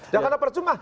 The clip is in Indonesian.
jangan karena percuma